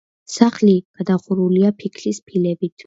სახლი გადახურულია ფიქლის ფილებით.